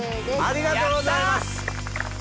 ありがとうございます！